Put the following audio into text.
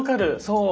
そう。